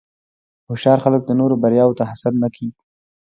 هوښیار خلک د نورو بریاوو ته حسد نه کوي.